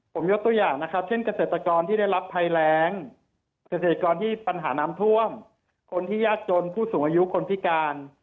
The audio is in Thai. ผมยกตัวอย่างนะครับเช่นเกษตรกรที่ได้รับภัยแรงเกษตรกรที่ปัญหาน้ำท่วมคนที่ยากจนผู้สูงอายุคนพิการ